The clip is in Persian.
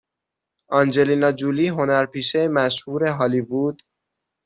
آنجلینا جولی هنرپیشه مشهور هالیوود